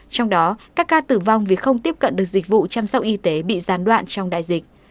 trong đó các ca tử vong vì không tiếp cận được dịch vụ chăm sóc y tế bị gián đoạn trong đại dịch